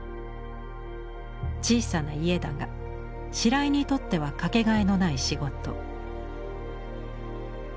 小さな家だが白井にとっては掛けがえのない仕事。